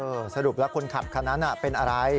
เออสรุปแล้วคนขับคนนั้นอ่ะเป็นอะไร